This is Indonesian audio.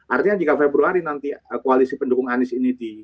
artinya jika februari nanti koalisi pendukung anis ini